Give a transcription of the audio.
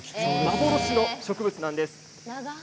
幻の植物なんです。